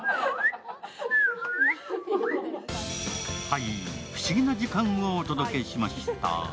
はい、不思議な時間をお届けしました。